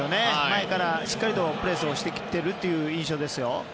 前からしっかりとプレスをしてきている印象です。